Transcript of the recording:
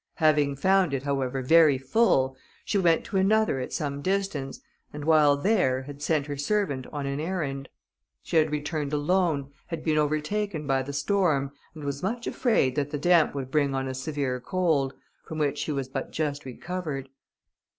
Having found it, however, very full, she went to another at some distance, and while there, had sent her servant on an errand. She had returned alone, had been overtaken by the storm, and was much afraid that the damp would bring on a severe cold, from which she was but just recovered.